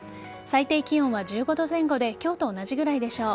最低気温は１５度前後で今日と同じくらいでしょう。